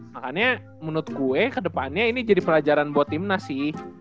makanya menut gue kedepannya ini jadi pelajaran buat tim nasi